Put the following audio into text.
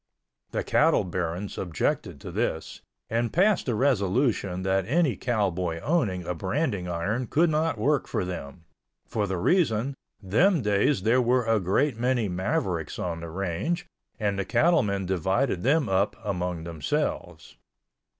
The cattle barons objected to this, and passed a resolution that any cowboy owning a branding iron could not work for them—for the reason, them days there were a great many mavericks on the range and the cattlemen divided them up among themselves.